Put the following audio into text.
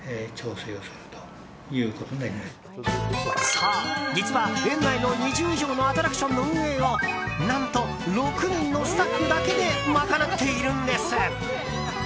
そう、実は園内の２０以上のアトラクションの運営を何と６人のスタッフだけでまかなっているんです。